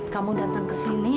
kamu datang kesini